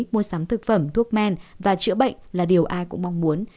mua sắm thực phẩm thuốc men và chữa bệnh là điều ai cũng mong muốn